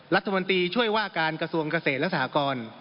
รัฐมนตรีช่วยว่าการกระทรวงเกษตรและสหกร